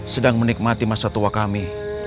sedang menikmati masa tua kami